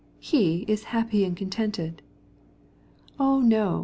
He's happy and contented." "Oh, no!"